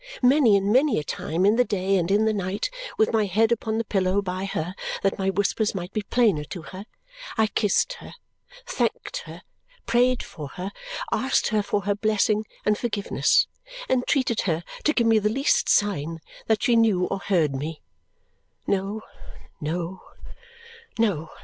Many and many a time, in the day and in the night, with my head upon the pillow by her that my whispers might be plainer to her, I kissed her, thanked her, prayed for her, asked her for her blessing and forgiveness, entreated her to give me the least sign that she knew or heard me. No, no, no.